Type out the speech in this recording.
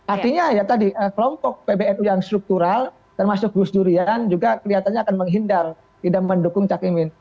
artinya ya tadi kelompok pbnu yang struktural termasuk gus durian juga kelihatannya akan menghindar tidak mendukung cak imin